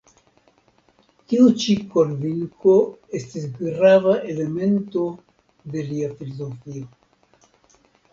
Tiu ĉi konvinko estis grava elemento de lia filozofio.